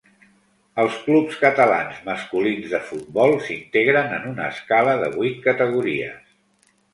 Els clubs catalans masculins de futbol s'integren en una escala de vuit categories.